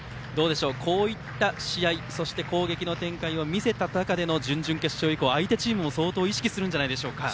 こういった試合そして、攻撃の展開を見せた中での準々決勝以降相手チームも意識するんじゃないでしょうか。